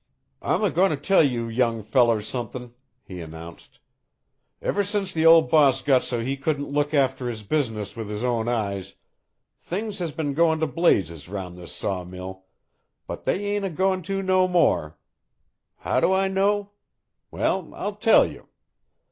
"I'm a goin' to tell you young fellers somethin'," he announced. "Ever since the old boss got so he couldn't look after his business with his own eyes, things has been goin' to blazes round this sawmill, but they ain't a goin' no more. How do I know? Well, I'll tell you.